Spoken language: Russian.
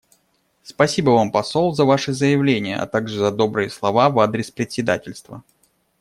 Спасибо Вам, посол, за Ваше заявление, а также за добрые слова в адрес председательства.